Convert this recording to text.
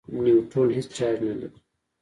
نیوټرون هېڅ چارج نه لري.